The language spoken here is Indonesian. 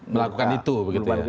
melakukan itu begitu ya